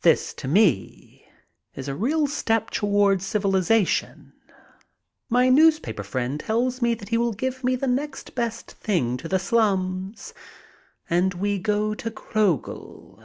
This to me is a real step toward civilization. My newspaper friend tells me that he will give me the next best thing to the slums, and we go to Krogel.